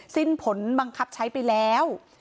สิ้นผลบังคับใช้ไปแล้ว